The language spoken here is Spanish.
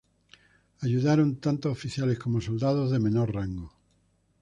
Ayudaron tanto oficiales como soldados de menor rango.